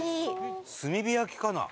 炭火焼きかな？